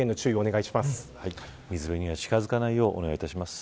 水辺には近づかないようお願いします。